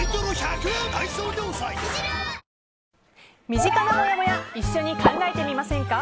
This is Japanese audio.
身近なもやもや一緒に考えてみませんか？